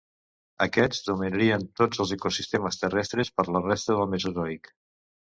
Aquests dominarien tots els ecosistemes terrestres per la resta del Mesozoic.